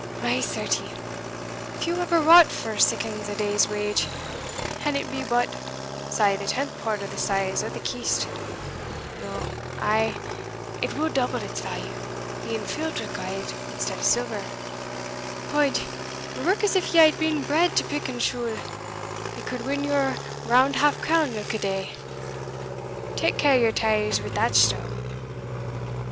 "My certie! few ever wrought for siccan a day's wage; an it be but say the tenth part o' the size o' the kist, No. I., it will double its value, being filled wi' gowd instead of silver. Od, ye work as if ye had been bred to pick and shule ye could win your round half crown ilka day. Tak care o' your taes wi' that stane!"